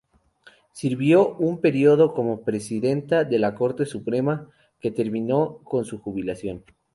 Sirvió un período como Presidenta de la Corte Suprema, que terminó con su jubilación.